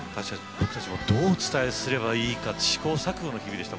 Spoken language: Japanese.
どうお伝えすればいいか試行錯誤の日々でした